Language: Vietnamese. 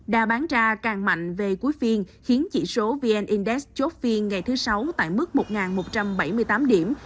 đa bán ra càng mạnh về cuối phiên khiến chỉ số vn index chốt phiên ngày thứ sáu tại mức một một trăm bảy mươi tám điểm